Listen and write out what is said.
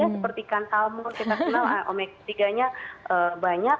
seperti ikan salmon kita kenal omega tiga nya banyak